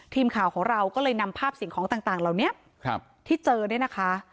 ทีมข่าวของเราก็เลยนำภาพสิ่งของต่างเหล่านี้ที่เจอเนี่ยนะคะ